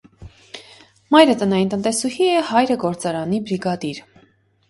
Մայրը տնային տնտեսուհի է, հայրը՝ գործարանի բրիգադիր։